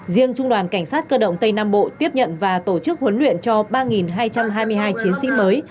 riêng trung đoàn cảnh sát cơ động tây nam bộ tiếp nhận và tổ chức huấn luyện cho ba hai trăm hai mươi hai chiến sĩ mới